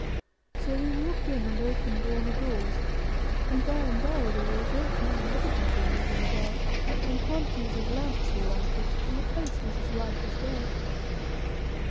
So they walked in and opened all the doors ; and by and by there were a great many other people moving about, and quantities of lamps were lighted, till the place was as light as day.